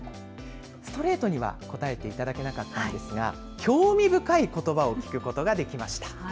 ストレートには答えていただけなかったんですが興味深いことばを聞くことができました。